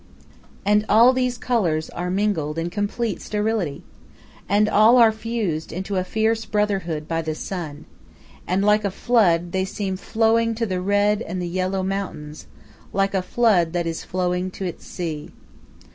And all these colors are mingled in complete sterility. And all are fused into a fierce brotherhood by the sun. and like a flood, they seem flowing to the red and the yellow mountains, like a flood that is flowing to its sea.